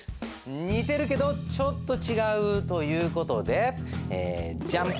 「似てるけどちょっとちがう！」という事でジャン。